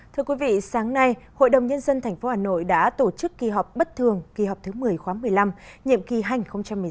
thưa quý vị sáng nay hội đồng nhân dân thành phố hà nội đã tổ chức kỳ họp bất thường kỳ họp thứ một mươi khóa một mươi năm nhiệm kỳ hành một mươi sáu hai mươi một